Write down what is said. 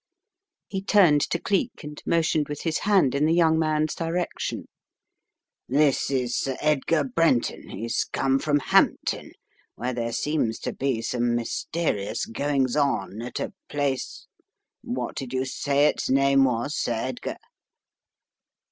He turned to Cleek and motioned with his hand in the young man's direction. " This is Sir Edgar Brenton. He's come from Hampton where there seems to be some —^tfrious goings on at a place What did you say its name was, Sir Edgar?"